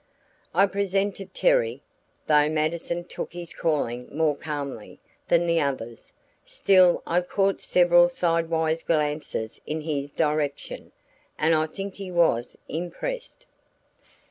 I presented Terry; though Mattison took his calling more calmly than the others, still I caught several sidewise glances in his direction, and I think he was impressed.